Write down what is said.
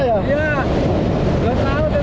iya belut banget